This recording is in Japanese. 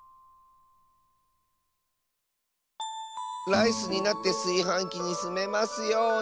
ライスになってすいはんきにすめますように。